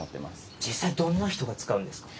実際にどんな人が使うんですか。